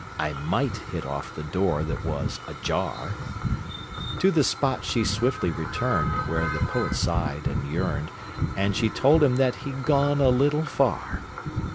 (I might hit off the door that was a jar!) To the spot she swift returned Where the poet sighed and yearned, And she told him that he'd gone a little far.